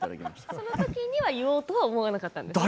その時には言おうと思わなかったんですね。